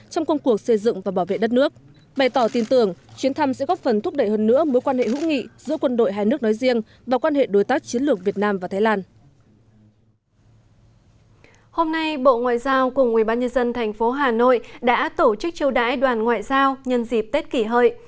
hôm nay bộ ngoại giao cùng ubnd tp hà nội đã tổ chức chiêu đãi đoàn ngoại giao nhân dịp tết kỷ hợi